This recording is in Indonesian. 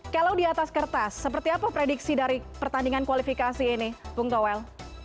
kalau di atas kertas seperti apa prediksi dari pertandingan kualifikasi ini bung towel